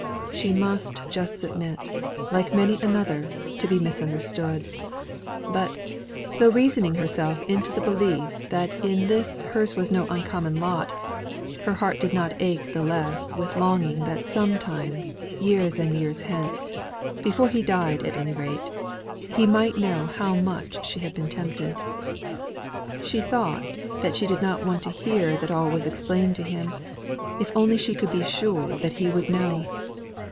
She might just submit, like many another, to be misunderstood; but, though reasoning herself into the belief that in this hers was no uncommon lot, her heart did not ache the less with longing that some time years and years hence before he died at any rate, he might know how much she had been tempted. She thought that she did not want to hear that all was explained to him, if only she could be sure that he would know.